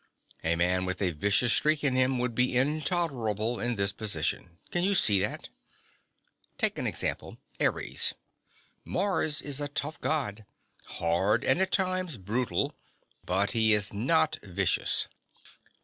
"A man with a vicious streak in him would be intolerable in this position. Can you see that? Take an example: Ares. Mars is a tough God, hard and at times brutal. But he is not vicious."